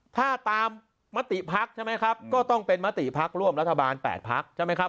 ถ้าตามมติภักดิ์ใช่ไหมครับก็ต้องเป็นมติพักร่วมรัฐบาล๘พักใช่ไหมครับ